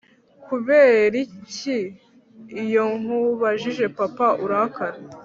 Kuberiki iyonkubajije papa urakara